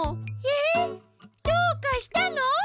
えっどうかしたの？